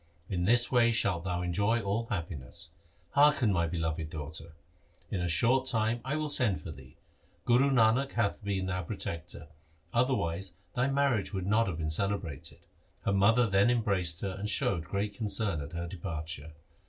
In this way shalt thou enjoy all happi ness. Hearken my beloved daughter. In a short time I will send for thee. Guru Nanak hath been our protector, otherwise thy marriage would not have been celebrated.' Her mother then embraced her and showed great concern at her departure.